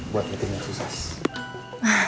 buat bikin yang susah